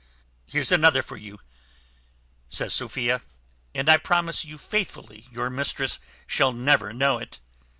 "Here's another for you," says Sophia, "and I promise you faithfully your mistress shall never know it."